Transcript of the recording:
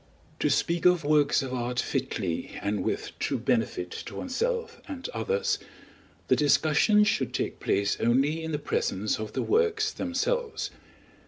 To speak of works of art fitly and with true benefit to oneself and others, the discussion should take place only in the presence of the works themselves.